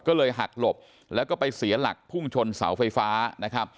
ก็เลยหักหลบแล้วก็ไปเสียหลักพุ่งชนเสาไฟฟ้านะครับ